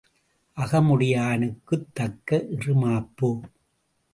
அகமுடையானுக்குத் தக்க இறுமாப்பு.